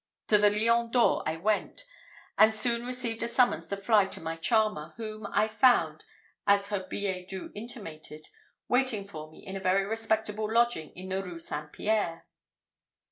To the Lion d'or I went, and soon received a summons to fly to my charmer, whom I found, as her billet doux intimated, waiting for me in a very respectable lodging in the Rue St. Pierre.